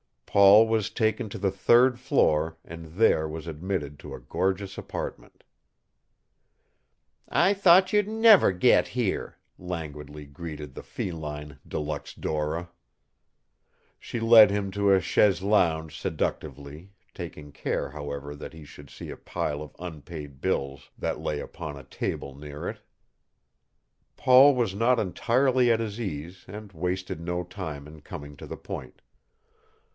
Paul was taken to the third floor and there was admitted to a gorgeous apartment. "I thought you'd never get here," languidly greeted the feline De Luxe Dora. She led him to a chaise longue seductively, taking care, however, that he should see a pile of unpaid bills that lay upon a table near it. Paul was not entirely at his ease and wasted no time in coming to the point.